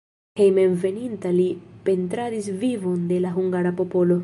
Hejmenveninta li pentradis vivon de la hungara popolo.